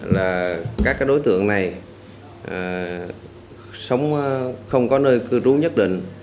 là các đối tượng này sống không có nơi cư trú nhất định